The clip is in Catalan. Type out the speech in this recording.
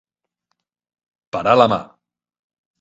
Parar la mà.